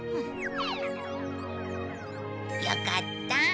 よかった。